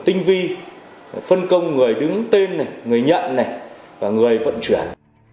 tinh vi phân công người đứng tên người nhận và người vận chuyển